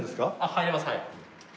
入れますはい。